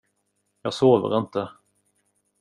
Jag sover inte.